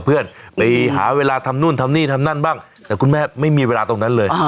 เพื่อนไปหาเวลาทำนู่นทำนี่ทำนั่นบ้างแต่คุณแม่ไม่มีเวลาตรงนั้นเลย